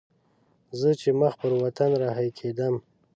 زه چې مخ پر وطن رهي کېدم.